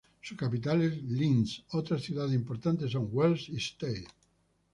Su capital es Linz; otras ciudades importantes son Wels y Steyr.